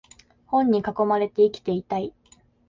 本に囲まれて生きていたい